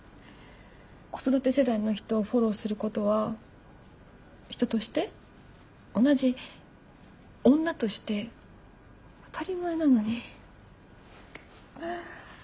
子育て世代の人をフォローすることは人として同じ女として当たり前なのに。